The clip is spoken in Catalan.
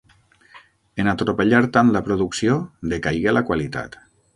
En atropellar tant la producció decaigué la qualitat.